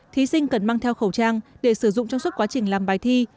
thí sinh cần mang theo khẩu trang để sử dụng trong suốt quá trình làm bài thi